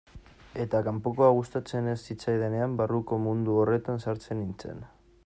Eta kanpokoa gustatzen ez zitzaidanean, barruko mundu horretan sartzen nintzen.